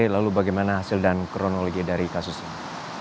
lalu bagaimana hasil dan kronologi dari kasus ini